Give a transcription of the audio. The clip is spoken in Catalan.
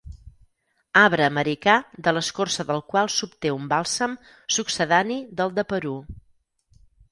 Arbre americà de l'escorça del qual s'obté un bàlsam succedani del de Perú.